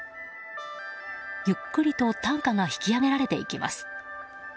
ゆっくりと担架が引き上げられていきます。